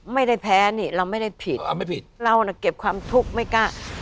ไม่ได้แพ้นี่เราไม่ได้ผิดเราน่ะเก็บความทุกข์ไม่กล้า